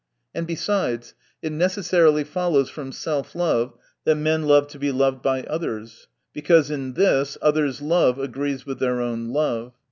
And besides it necessarily follows from self love, that men love to be loved by others ; because in this others' love agrees with their own love.